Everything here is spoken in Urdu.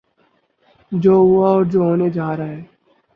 جو ہوا ہے اور جو ہونے جا رہا ہے۔